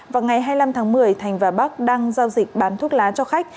vào ngày hai mươi năm tháng một mươi thành và bắc đang giao dịch bán thuốc lá cho khách